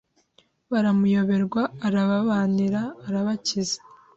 Baramuyoberwa arababanira arabakiza